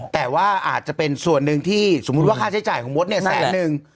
แต่ว่าอาจจะเป็นส่วนหนึ่งที่สมมุติว่าค่าใช้จ่ายของมดเนี่ยแสนนึง